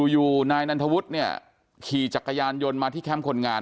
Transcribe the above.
อยู่นายนันทวุฒิเนี่ยขี่จักรยานยนต์มาที่แคมป์คนงาน